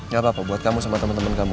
gak apa apa buat kamu sama temen temen kamu